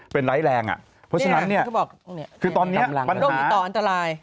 ปัญหาร่วมติดต่ออันตราย